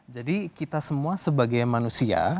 kita semua sebagai manusia